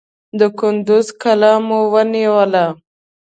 د کندوز قلا مو ونیول.